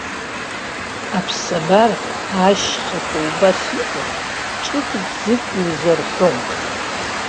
Аԥсабара, ашьхақәа убас иҟоуп, ҿык-бзык иузарҳәом.